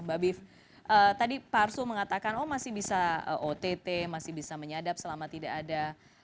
mbak biv tadi pak arsul mengatakan oh masih bisa ott masih bisa menyadap selama tidak ada